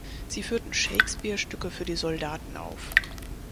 Sie führten Shakespeare-Stücke für die Soldaten auf.